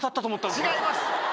違います。